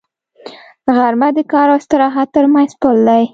غرمه د کار او استراحت تر منځ پل دی